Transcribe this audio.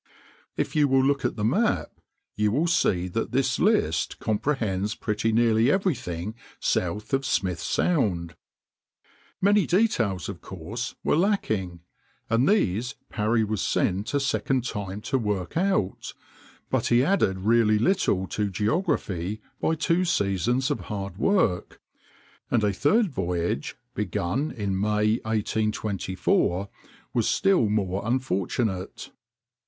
If you will look at the map you will see that this list comprehends pretty nearly everything south of Smith Sound. Many details of course were lacking, and these Parry was sent a second time to work out, but he added really little to geography by two seasons of hard work; and a third voyage, begun in May, 1824, was still more unfortunate.